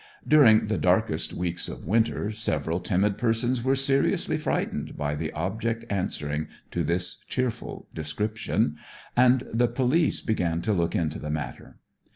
During the darkest weeks of winter several timid persons were seriously frightened by the object answering to this cheerful description, and the police began to look into the matter.